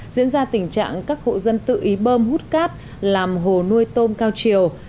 diễn ra tình trạng các hộ dân tự ý bơm hút cát làm hồ nuôi tôm cao chiều